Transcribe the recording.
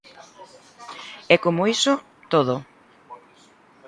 E como iso, todo.